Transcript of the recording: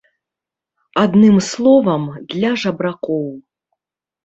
Адным словам, для жабракоў.